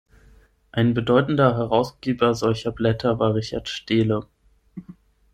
Ein bedeutender Herausgeber solcher Blätter war Richard Steele.